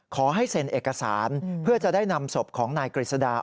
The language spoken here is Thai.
ขอให้เซ็นเอกสารเพื่อจะได้นำศพของนายกฤษดา